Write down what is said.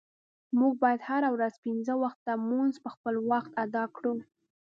مونږه باید هره ورځ پنځه وخته مونز په خپل وخت اداء کړو.